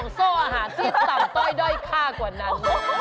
โซ่อาหารที่ต่ำต้อยด้อยค่ากว่านั้น